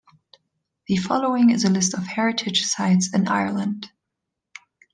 The following is a list of heritage sites in Ireland.